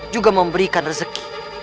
juga memberikan rezeki